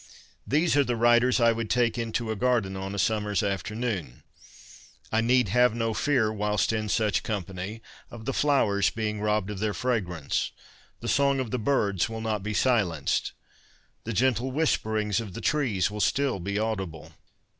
These are the writers I would take into a garden on a summer's afternoon. I need have no fear, whilst in such company, of the flowers being robbed of their fragrance. The song of the birds will not be silenced. The gentle whisperings of the trees will still be audible.